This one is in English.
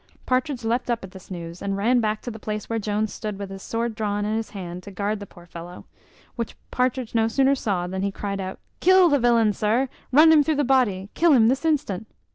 Partridge leapt up at this news, and ran back to the place where Jones stood with his sword drawn in his hand to guard the poor fellow; which Partridge no sooner saw than he cried out, "Kill the villain, sir, run him through the body, kill him this instant!"